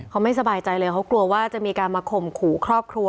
เขาไม่สบายใจเลยเขากลัวว่าจะมีการมาข่มขู่ครอบครัว